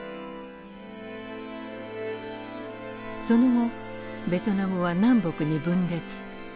その後ベトナムは南北に分裂。